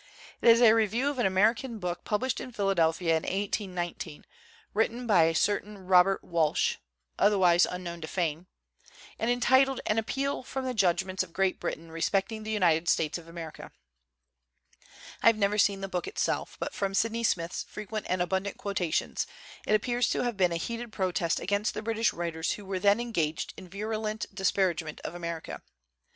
It is a review of an American book pub lished in Philadelphia in 1819, written by a cer tain Robert Walsh (otherwise unknown to fame), and entitled 'An Appeal from the Judge ments of Great Britain respecting the United States of America/ I have never seen the book itself, but from Sydney Smith's frequent and abundant quotations, it appears to have been a heated protest against the British writers who were then engaged in virulent disparagement of America.